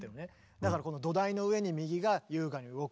だからこの土台の上に右が優雅に動く。